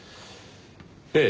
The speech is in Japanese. ええ。